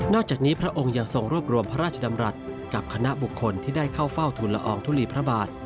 อกจากนี้พระองค์ยังทรงรวบรวมพระราชดำรัฐกับคณะบุคคลที่ได้เข้าเฝ้าทุนละอองทุลีพระบาท